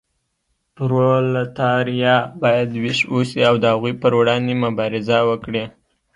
پرولتاریا باید ویښ اوسي او د هغوی پر وړاندې مبارزه وکړي.